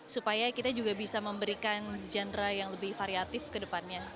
supaya kita juga bisa memberikan genre yang lebih variatif ke depannya